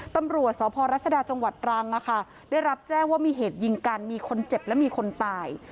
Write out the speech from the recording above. ตำรวจสพรัศดาจังหวัดตรังได้รับแจ้งว่ามีเหตุยิงกันมีคนเจ็บและมีคนตาย